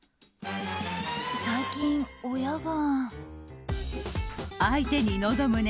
最近、親が。